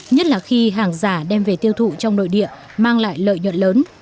nhất là khi hàng giả đem về tiêu thụ trong nội địa mang lại lợi nhuận lớn